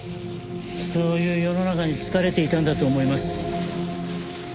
そういう世の中に疲れていたんだと思います。